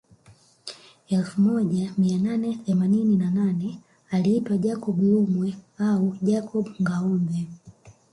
Elfu moja mia nane themanini na nane aliitwa Jacob Lumwe au Jacob Ngâombe